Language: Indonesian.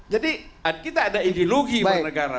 jadi kita ada ideologi per negara